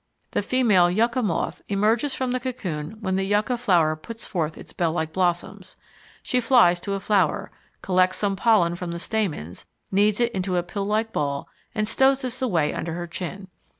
The female Yucca Moth emerges from the cocoon when the Yucca flower puts forth its bell like blossoms. She flies to a flower, collects some pollen from the stamens, kneads it into a pill like ball, and stows this away under her chin.